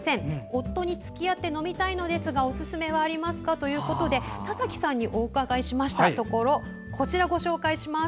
夫につきあって飲みたいのですがおすすめはありますか？ということで田崎さんにお伺いしましたところこちら、ご紹介します。